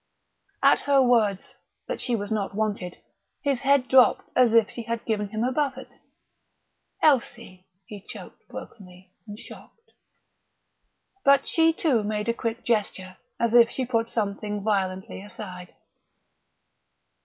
At her words, that she was not wanted, his head dropped as if she had given him a buffet. "Elsie!" he choked, brokenly and shocked. But she too made a quick gesture, as if she put something violently aside.